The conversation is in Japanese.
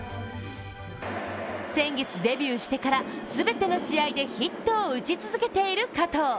先月、デビューしてから全ての試合でヒットを打ち続けている加藤。